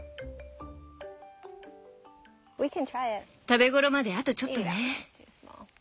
食べ頃まであとちょっとね。